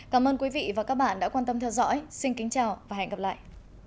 cảm ơn quý vị và các bạn đã quan tâm theo dõi xin kính chào và hẹn gặp lại